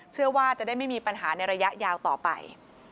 เชื่อว่าจะได้ไม่มีปัญหาในระยะยาวต่อไป